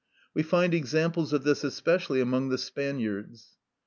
We find examples of this especially among the Spaniards.